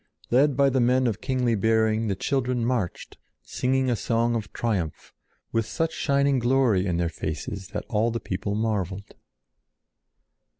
Led by the men of kingly bearing the children marched, singing a song of triumph, with such shining glory in their faces that all the people marveled.